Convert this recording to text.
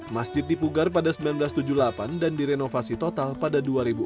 masjid dipugar pada seribu sembilan ratus tujuh puluh delapan dan direnovasi total pada dua ribu empat